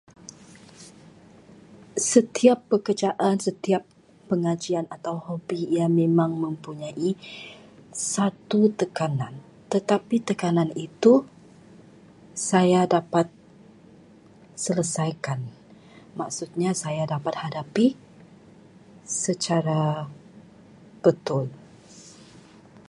Setiap pekerjaan, setiap pengajian, atau hobi, ia memang mempunyai satu tekanan, tetapi tekanan itu saya dapat selesaikan. Maksudnya, saya dapat hadapi secara betul.